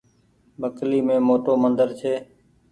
مڪلي مين موٽو مندر ڇي۔